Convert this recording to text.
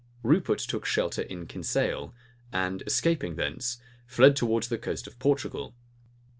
Rupert took shelter in Kinsale; and escaping thence, fled towards the coast of Portugal.